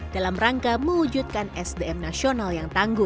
dalam rangka mewujudkan sdm nasional yang tangguh